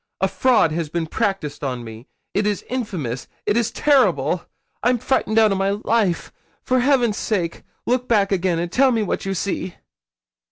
A fraud has been practised on me it is infamous it is terrible. I'm frightened out of my life. For heaven's sake, look back again, and tell me what you see.'